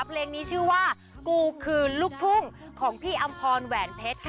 เพลงนี้ชื่อว่ากูคือลูกทุ่งของพี่อำพรแหวนเพชรค่ะ